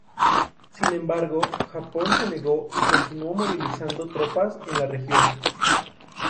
Sin embargo, Japón se negó y continuó movilizando tropas en la región.